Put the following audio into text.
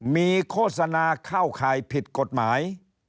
มีโฆษณาเข้าข่ายผิดกฎหมาย